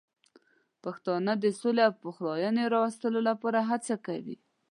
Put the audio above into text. پښتانه د سولې او پخلاینې راوستلو لپاره هڅه کوي.